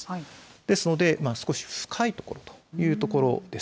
ですので、少し深い所というところです。